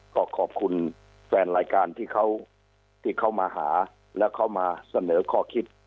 ก็ขอบคุณแฟนรายการที่เขาที่เขามาหาแล้วเขามาเสนอข้อคิด